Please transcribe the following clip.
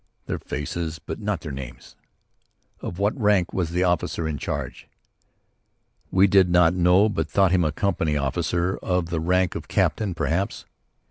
"Their faces but not their names." "Of what rank was the officer in charge?" We did not know, but thought him a company officer of the rank of captain perhaps.